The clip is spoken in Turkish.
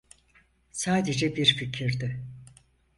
Sadece bir fikirdi.